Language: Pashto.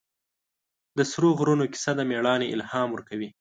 د سرو غرونو کیسه د مېړانې الهام ورکوي.